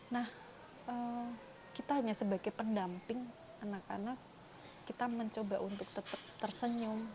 nah kita hanya sebagai pendamping anak anak kita mencoba untuk tetap tersenyum